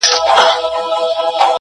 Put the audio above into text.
چي کاته چي په کتو کي را ايسار دي_